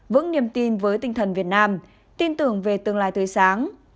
vững niềm tin với tinh thần việt nam tin tưởng về tương lai tươi sáng